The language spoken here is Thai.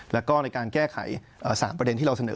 แล้วก็ในการแก้ไข๓ประเด็นที่เราเสนอ